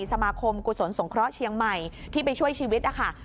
สมาคมกุศลสงเคราะห์เชียงใหม่ที่ไปช่วยชีวิตนะคะ